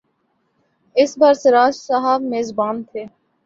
اس بار سراج صاحب میزبان تھے۔